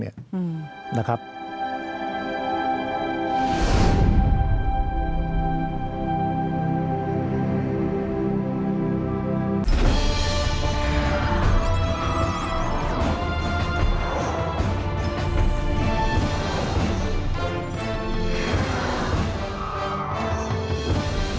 และทำอะไรกับการเมืองกับการเข็มถนัดเตรียม